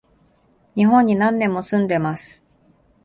日本に何年も住んでます